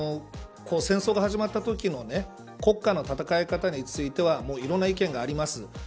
戦争が始まったときの国家の戦い方についてはいろんな意見があります。